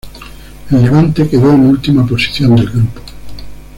El Levante quedó en última posición del grupo.